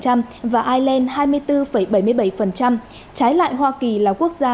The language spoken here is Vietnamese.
trái lại hoa kỳ là quốc gia có tài khoản ngân hàng kỹ thuật số